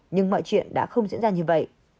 nhưng mọi chuyện đã không diễn ra như vậy